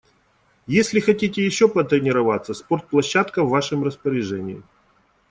Если хотите ещё потренироваться, спортплощадка в вашем распоряжении.